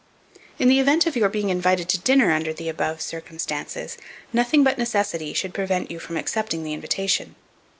In the event of your being invited to dinner under the above circumstances, nothing but necessity should prevent you from accepting the invitation.